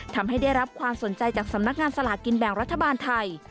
ทำให้ได้รับความสนใจจากสำนักงานสลากินแบ่งรัฐบาลไทย